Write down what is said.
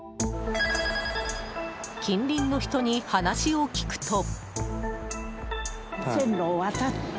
近隣の人に話を聞くと。